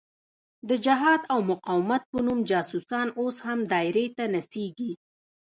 د جهاد او مقاومت په نوم جاسوسان اوس هم دایرې ته نڅېږي.